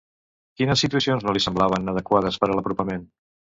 Quines situacions no li semblaven adequades per a l'apropament?